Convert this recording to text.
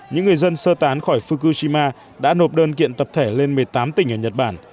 những người dân sơ tán khỏi fukushima đã nộp đơn kiện tập thể lên một mươi tám tỉnh ở nhật bản